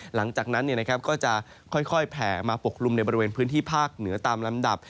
หลังจากนั้นก็จะค่อยแผ่มาปกคลุมในบริเวณพื้นที่ภาคเหนือตามลำดับ